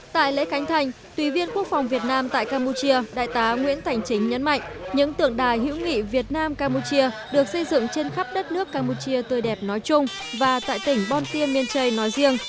tại lễ khánh thành tùy viên quốc phòng việt nam tại campuchia đại tá nguyễn thành chính nhấn mạnh những tượng đài hữu nghị việt nam campuchia được xây dựng trên khắp đất nước campuchia tươi đẹp nói chung và tại tỉnh bon tiên miên nói riêng